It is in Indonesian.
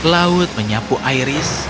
laut menyapu iris